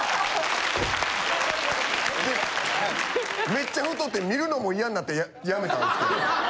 めっちゃ太って見るのも嫌になってやめたんですけど。